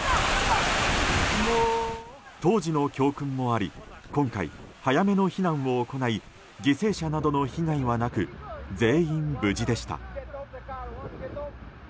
当時の教訓もあり今回、早めの避難を行い犠牲者などの被害はなく全員無事でした。